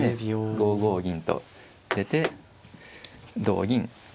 ５五銀と出て同銀。